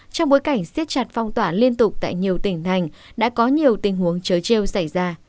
trong bối cảnh siết chặt phong tỏa liên tục tại nhiều tỉnh thành đã có nhiều tình huống chới treo xảy ra